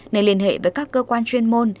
nên liên hệ với các cơ quan chuyên môn